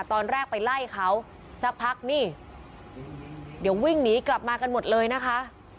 ตอนแรกไปไล่เขาสักพักนี่เดี๋ยววิ่งหนีกลับมากันหมดเลยนะคะ